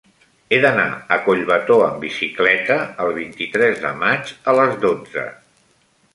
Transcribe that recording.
He d'anar a Collbató amb bicicleta el vint-i-tres de maig a les dotze.